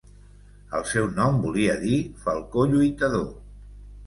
El seu nom volia dir 'Falcó lluitador'.